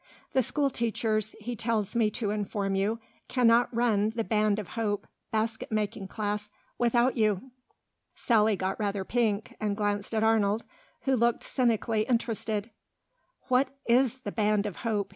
The school teachers, he tells me to inform you, cannot run the Band of Hope basket making class without you." Sally got rather pink, and glanced at Arnold, who looked cynically interested. "What is the Band of Hope?"